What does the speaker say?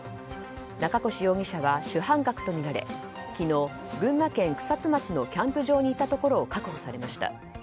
中越容疑者は主犯格とみられ昨日、群馬県草津町のキャンプ場にいたところを確保されました。